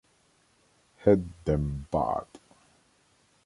Had them Bad.